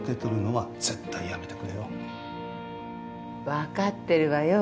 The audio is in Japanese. わかってるわよ。